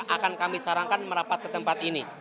akan kami sarankan merapat ke tempat ini